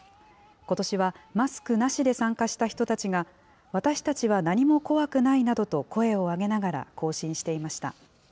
ことしは、マスクなしで参加した人たちが、私たちは何も怖くないなどと声を上げながら行進していました。